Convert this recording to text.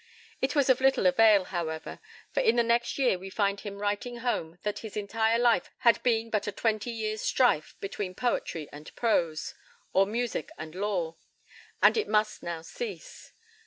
It was of little avail, however, for in the next year we find him writing home that his entire life had been "but a twenty years' strife between poetry and prose, or music and law, and it must now cease."